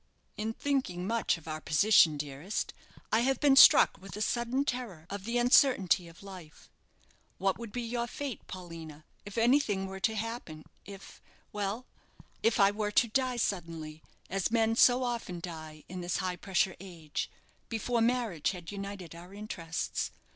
"In thinking much of our position, dearest, I have been struck with a sudden terror of the uncertainty of life. What would be your fate, Paulina, if anything were to happen if well, if I were to die suddenly, as men so often die in this high pressure age, before marriage had united our interests?